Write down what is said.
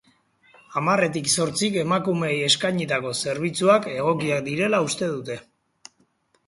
Hamarretik zortzik emakumeei eskainitako zerbitzuak egokiak direla uste dute.